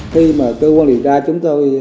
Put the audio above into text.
khi cơ quan điều tra chúng tôi